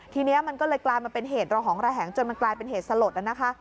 ทีนี้มันก็เลยกลายมาเป็นเหตุระหองระแหงจนมันกลายเป็นเหตุสลดนะคะ